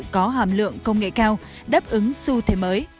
có hàm lượng công nghệ cao đáp ứng xu thế mới